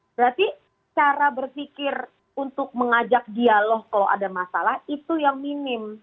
berarti cara berpikir untuk mengajak dialog kalau ada masalah itu yang minim